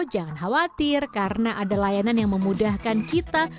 jangan khawatir karena ada layanan yang memudahkan kita